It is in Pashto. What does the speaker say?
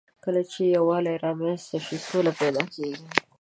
کله چې یووالی رامنځ ته شي، سوله پيدا کېږي.